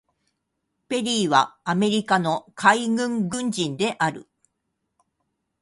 ペリーはアメリカの海軍軍人である。